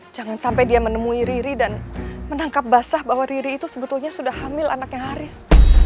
jangan sampai dia menemui riri dan menangkap basah bahwa riri itu sebetulnya sudah hamil anaknya haris